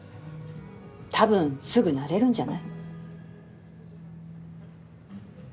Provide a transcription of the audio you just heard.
多分すぐ慣れるんじゃない？